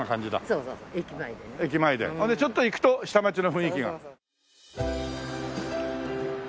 それでちょっと行くと下町の雰囲気が。